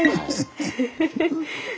え！